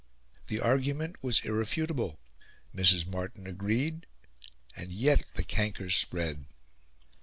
The argument was irrefutable; Mrs. Martin agreed; and yet the canker spread.